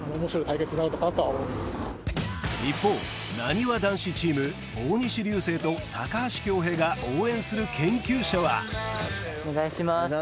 一方なにわ男子チーム大西流星と高橋恭平が応援する研究者はお願いします